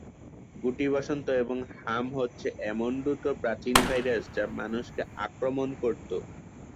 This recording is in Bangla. গুটি বসন্ত এবং হাম হচ্ছে এমন দুটো প্রাচীন ভাইরাস যা মানুষকে আক্রমণ করতো।